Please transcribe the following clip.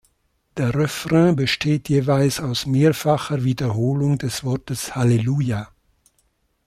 Der Refrain besteht jeweils aus mehrfacher Wiederholung des Wortes Hallelujah.